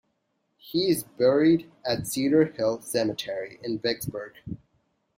He is buried at Cedar Hill Cemetery in Vicksburg.